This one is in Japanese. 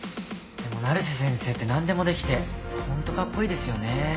でも成瀬先生って何でもできてホントカッコイイですよね。